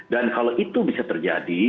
dan kalau itu bisa terjadi